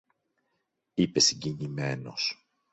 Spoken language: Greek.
είπε συγκινημένος.